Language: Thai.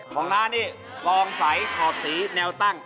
ของเรานี่ซองไสขอบสีแนวตั้ง